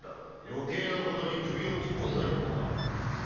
余計な事に首を突っ込んだようだな。